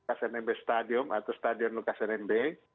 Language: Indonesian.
lukas nmb stadium atau stadion lukas nmb